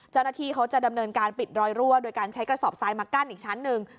เจ้าหน้าที่เขาจะดำเนินการปิดรอยรั่วโดยการใช้กระสอบทรายมากั้นอีกชั้นหนึ่ง